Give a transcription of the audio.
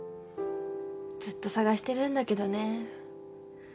ずっと捜してるんだけどね。